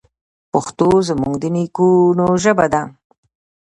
پښتو زموږ د نیکونو ژبه ده.